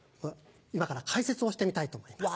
今から解説をしてみたいと思います。